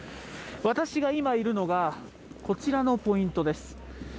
私が今いるのが、こちらのポイントです。